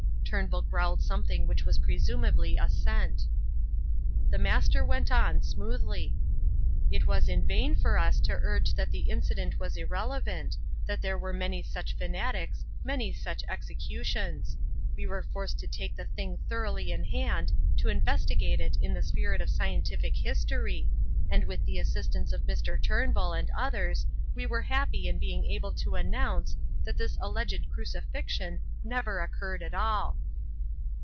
Turnbull growled something which was presumably assent. The Master went on smoothly: "It was in vain for us to urge that the incident was irrelevant; that there were many such fanatics, many such executions. We were forced to take the thing thoroughly in hand, to investigate it in the spirit of scientific history, and with the assistance of Mr. Turnbull and others we were happy in being able to announce that this alleged Crucifixion never occurred at all."